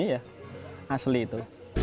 iya asli itu